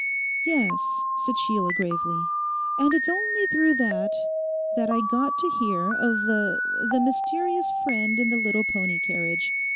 'Yes,' said Sheila gravely, 'and it's only through that that I got to hear of the—the mysterious friend in the little pony carriage.